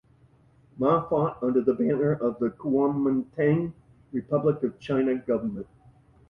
Ma fought under the banner of the Kuomintang Republic of China government.